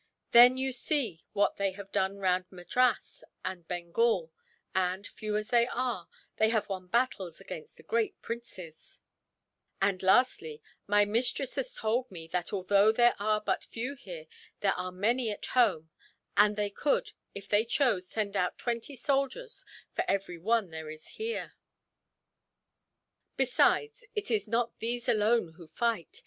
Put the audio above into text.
Then you see what they have done round Madras and Bengal and, few as they are, they have won battles against the great princes; and lastly, my mistress has told me that, although there are but few here, there are many at home; and they could, if they chose, send out twenty soldiers for every one there is here. "Besides, it is not these alone who fight.